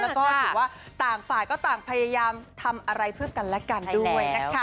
แล้วก็ถือว่าต่างฝ่ายก็ต่างพยายามทำอะไรเพื่อกันและกันด้วยนะคะ